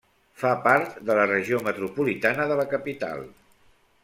Fa part de la regió metropolitana de la capital.